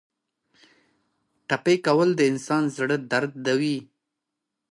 ټپي کول د انسان زړه دردوي.